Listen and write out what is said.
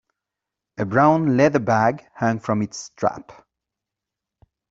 A brown leather bag hung from its strap.